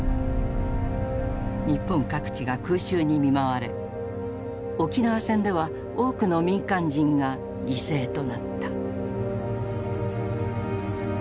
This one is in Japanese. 日本各地が空襲に見舞われ沖縄戦では多くの民間人が犠牲となった。